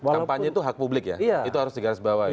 kampanye itu hak publik ya itu harus digarisbawah ya